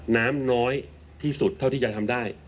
น้ำน้อยที่สุดเท่าที่จะทำได้